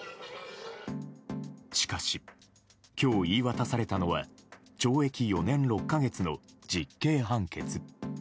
しかし、今日言い渡されたのは懲役４年６か月の実刑判決。